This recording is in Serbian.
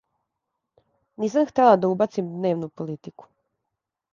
Нисам хтела да убацим дневну политику.